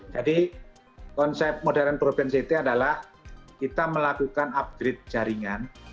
jadi konsep modern broadband city adalah kita melakukan upgrade jaringan